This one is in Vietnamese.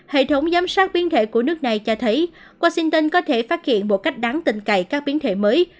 hệ thống giám sát biến thể của nước này cho thấy washington có thể phát hiện một cách đáng tình cậy các biến thể mới